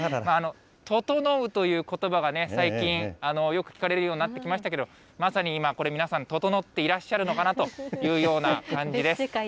整うということばが最近、よく聞かれるようになってきましたけど、まさに今、これ皆さん、整っていらっしゃるのかなというような感じです。